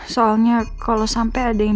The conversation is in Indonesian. soalnya kalo sampe ada yang